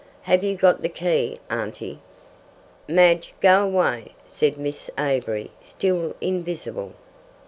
"Have you got the key, auntie?" "Madge, go away," said Miss Avery, still invisible.